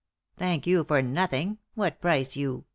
" Thank you for nothing. What price you